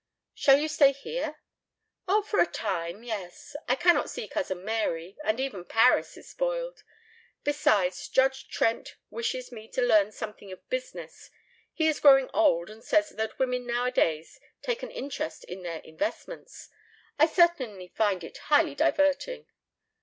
"Shall you stay here?" "Oh, for a time, yes. I cannot see Cousin Mary, and even Paris is spoiled. Besides, Judge Trent wishes me to learn something of business. He is growing old and says that women nowadays take an interest in their investments. I certainly find it highly diverting."